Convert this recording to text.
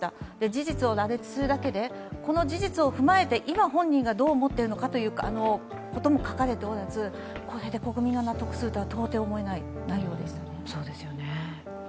事実を羅列するだけで、この事実を踏まえて今本人がどう思っているのかということも書かれておらず、これで国民が納得するとは到底思えない内容でしたね。